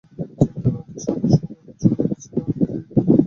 চিন্তার উন্নতির সঙ্গে সঙ্গে উহা চূর্ণ বিচূর্ণ হইয়া যাইবে।